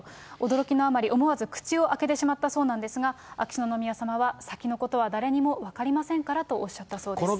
驚きのあまり、思わず口を開けてしまったそうなんですが、秋篠宮さまは先のことは誰にも分かりませんからとおっしゃったそうです。